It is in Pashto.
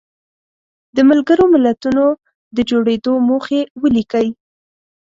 د ملګرو ملتونو د جوړېدو موخې ولیکئ.